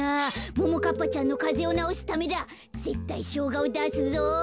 ももかっぱちゃんのかぜをなおすためだぜったいしょうがをだすぞ。